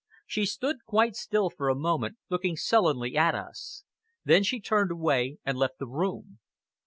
She stood quite still for a moment, looking sullenly at us. Then she turned away and left the room.